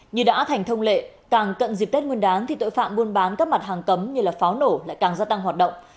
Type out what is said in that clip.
như đã thành thông lệ càng cận dịp tết nguyên đán thì tội phạm buôn bán các mặt hàng cấm như pháo nổ lại càng gia tăng hoạt động